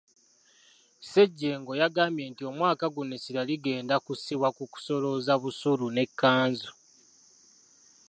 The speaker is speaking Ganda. Ssejjengo yagambye nti omwaka guno essira ligenda kussibwa ku kusolooza busuulu n’ekkanzu.